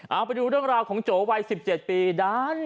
เอาไปดูเรื่องราวของโจวัย๑๗ปีด้าน